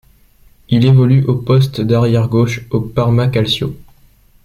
Il évolue au poste d'arrière gauche au Parma Calcio.